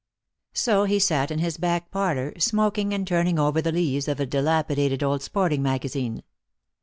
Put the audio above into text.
So he sat in his back parlour, smoking and turning over the leaves of a dilapidated old sporting magazine.